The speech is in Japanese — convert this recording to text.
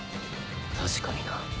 確かにな。